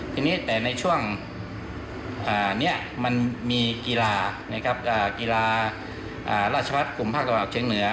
ทีนี้แต่ในช่วงนี้มันมีกีฬากีฬาราชวัฒน์กลุ่มภาคตะวันออกเชียงเหนือ